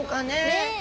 ねえ。